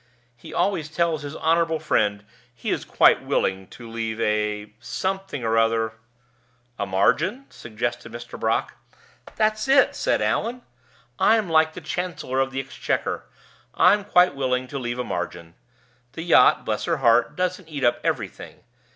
"He always tells his honorable friend he is quite willing to leave a something or other " "A margin?" suggested Mr. Brock. "That's it," said Allan. "I'm like the Chancellor of the Exchequer. I'm quite willing to leave a margin. The yacht (bless her heart!) doesn't eat up everything.